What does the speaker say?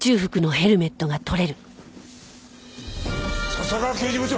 笹川刑事部長！